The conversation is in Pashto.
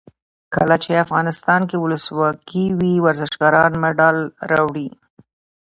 کله چې افغانستان کې ولسواکي وي ورزشکاران مډال راوړي.